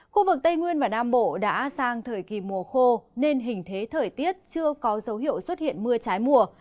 khu vực tây nguyên và nam bộ đã sang thời kỳ mùa khô nên hình thế thời tiết chưa có dấu hiệu xuất hiện mưa trái mùa